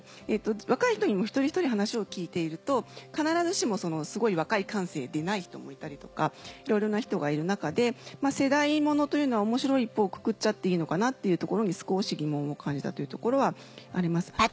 若い人にも一人一人話を聞いていると必ずしもすごい若い感性でない人もいたりとかいろいろな人がいる中で世代物というのは面白い一方「くくっちゃっていいのかな？」っていうところに少し疑問を感じたというところはあります。